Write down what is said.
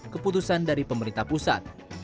keputusan dari pemerintah pusat